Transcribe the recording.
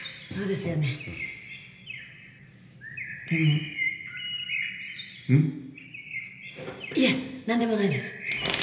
あっいえ何でもないです